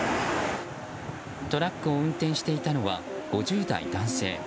トラックを運転していたのは５０代男性。